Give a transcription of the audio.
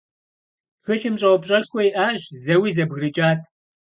Тхылъым щӀэупщӀэшхуэ иӀащ, зэуи зэбгрыкӀат.